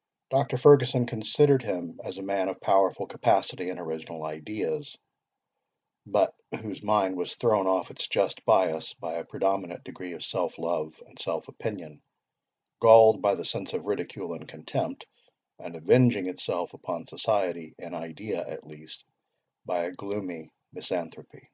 ] Dr. Fergusson considered him as a man of a powerful capacity and original ideas, but whose mind was thrown off its just bias by a predominant degree of self love and self opinion, galled by the sense of ridicule and contempt, and avenging itself upon society, in idea at least, by a gloomy misanthropy.